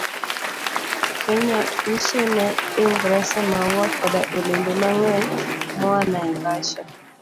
Kenya uso ne Ingresa maua koda olembe mang'eny moa Naivasha,